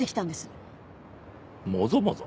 もぞもぞ？